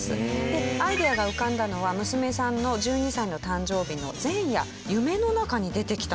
でアイデアが浮かんだのは娘さんの１２歳の誕生日の前夜夢の中に出てきたんだそうです。